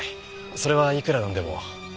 それはいくらなんでも。